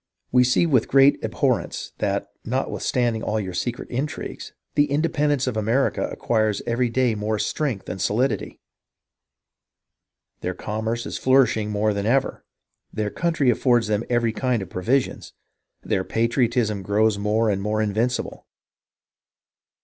.We see with great abhorrence that, notwithstanding all your secret intrigues, the independence of America acquires every day more strength and solidity. Their commerce is flourishing more than ever, their country affords them every kind of provisions, their patriotism grows more and more invincible.